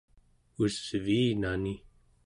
usviinani